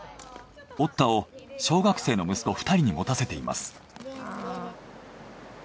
ｏｔｔａを小学生の息子２人に持たせています。